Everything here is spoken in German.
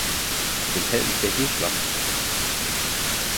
Auf dem Helm ist der Hirsch wachsend.